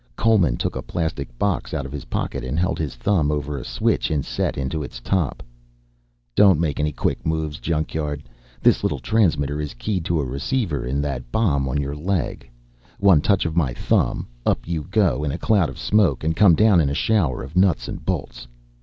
Coleman took a plastic box out of his pocket and held his thumb over a switch inset into its top. "Don't make any quick moves, junk yard, this little transmitter is keyed to a receiver in that bomb on your leg. One touch of my thumb, up you go in a cloud of smoke and come down in a shower of nuts and bolts."